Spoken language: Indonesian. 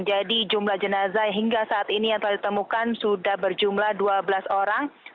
jadi jumlah jenazah hingga saat ini yang telah ditemukan sudah berjumlah dua belas orang